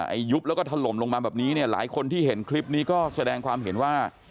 ยุบแล้วก็ถล่มลงมาแบบนี้เนี่ยหลายคนที่เห็นคลิปนี้ก็แสดงความเห็นว่า